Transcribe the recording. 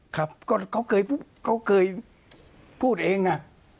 ครับก็เขาเคยพูดเองนะ